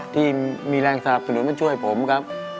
ที่มีแรงสนับสนุนมาช่วยผมครับ